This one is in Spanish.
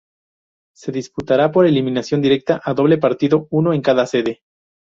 Se disputará por eliminación directa a doble partido, uno en cada sede.